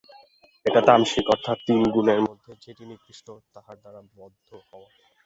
এটি তামসিক অর্থাৎ তিন গুণের মধ্যে যেটি নিকৃষ্ট, তাহার দ্বারা বদ্ধ হওয়া।